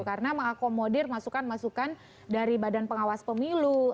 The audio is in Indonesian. karena mengakomodir masukan masukan dari badan pengawas pemilu